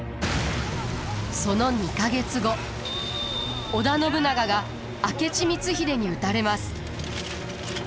その２か月後織田信長が明智光秀に討たれます。